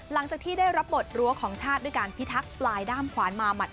หลังจากที่ได้รับบทรั้วของชาติด้วยการพิทักษ์ปลายด้ามขวานมาหัด